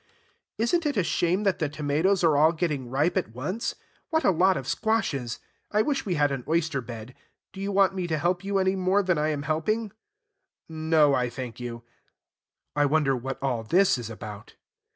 "Is n't it a shame that the tomatoes are all getting ripe at once? What a lot of squashes! I wish we had an oyster bed. Do you want me to help you any more than I am helping?" "No, I thank you." (I wonder what all this is about?)